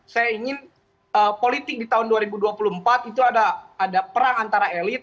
saya ingin politik di tahun dua ribu dua puluh empat itu ada perang antara elit